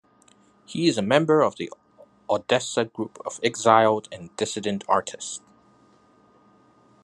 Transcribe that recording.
He is a member of the Odessa Group of exiled and dissident artists.